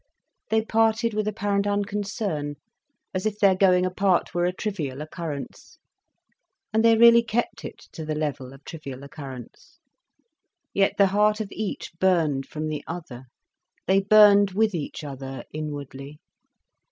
They parted with apparent unconcern, as if their going apart were a trivial occurrence. And they really kept it to the level of trivial occurrence. Yet the heart of each burned from the other. They burned with each other, inwardly.